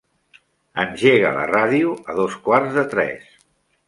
Engega la ràdio a dos quarts de tres.